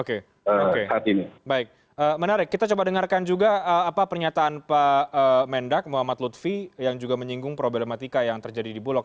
oke oke baik menarik kita coba dengarkan juga apa pernyataan pak mendak muhammad lutfi yang juga menyinggung problematika yang terjadi di bulog